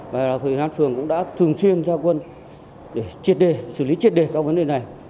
và phường cũng đã thường xuyên ra quân để triệt đề xử lý triệt đề các vấn đề này